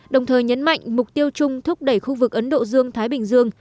đồng thời nhấn mạnh mục tiêu chung thúc đẩy khu vực ấn độ dương thái bình dương